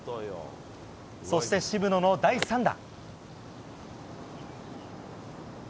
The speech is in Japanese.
そして、渋野の第３打。